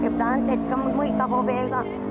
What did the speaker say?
เก็บร้านเสร็จก็มืดมืดกระโภเบก